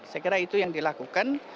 saya kira itu yang dilakukan